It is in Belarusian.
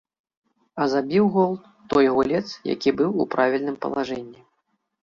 А забіў гол той гулец, які быў у правільным палажэнні.